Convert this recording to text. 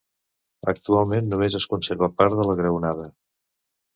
Actualment només es conserva part de la graonada.